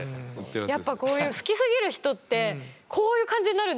やっぱこういう好きすぎる人ってこういう感じになるんですね。